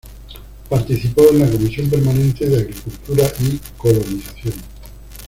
Participó de la comisión permanente de Agricultura y Colonización.